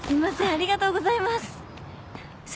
ありがとうございます。